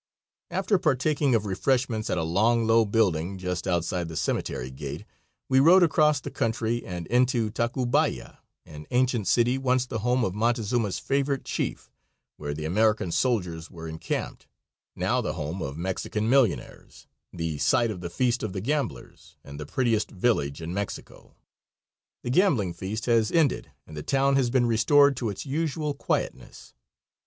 After partaking of refreshments at a long, low building, just outside the cemetery gate, we rode across the country and into Tacubaya, an ancient city once the home of Montezuma's favorite chief, where the American soldiers were encamped, now the home of Mexican millionaires, the site of the feast of the gamblers, and the prettiest village in Mexico. The gambling feast has ended and the town has been restored to its usual quietness.